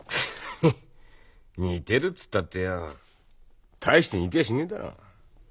似てるっつったってよ大して似てやしねえだろ。